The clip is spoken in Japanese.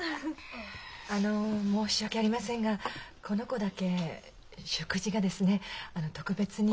あの申し訳ありませんがこの子だけ食事がですね特別に。